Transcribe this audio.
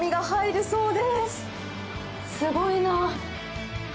すごいな。